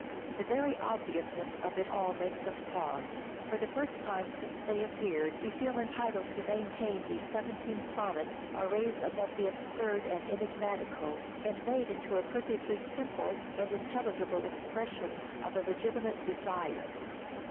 The very obviousness of it all makes us pause. For the first time since they appeared we feel entitled to maintain these seventeen sonnets are raised above the absurd and enigmatical, and made into a perfectly simple and intelligible expression of a legitimate desire.